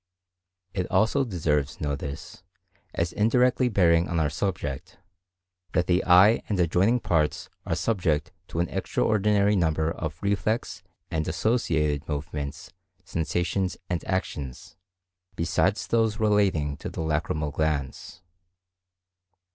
It also deserves notice, as indirectly bearing on our subject, that the eye and adjoining parts are subject to an extraordinary number of reflex and associated movements, sensations, and actions, besides those relating to the lacrymal glands.